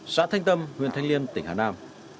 xã thanh tâm huyện thanh liên tỉnh hà nam